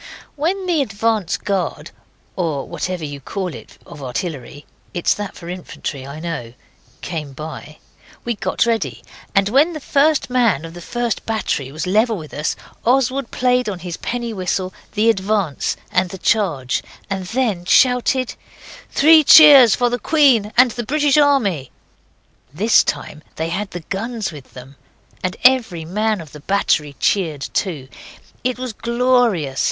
When the advance guard (or whatever you call it of artillery it's that for infantry, I know) came by, we got ready, and when the first man of the first battery was level with us Oswald played on his penny whistle the 'advance' and the 'charge' and then shouted 'Three cheers for the Queen and the British Army!' This time they had the guns with them. And every man of the battery cheered too. It was glorious.